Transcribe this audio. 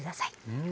うん。